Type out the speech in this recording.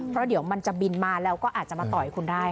เพราะเดี๋ยวมันจะบินมาแล้วก็อาจจะมาต่อยคุณได้